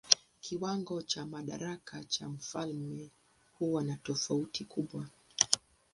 Kiwango cha madaraka cha mfalme huwa na tofauti kubwa.